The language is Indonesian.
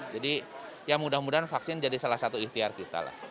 jadi mudah mudahan vaksin jadi salah satu ikhtiar kita